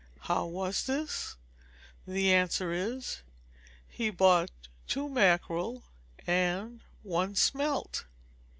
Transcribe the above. _ How was this?" The answer is "He bought two mackerel, and one _smelt!